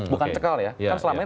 bukan cekal ya kan selama ini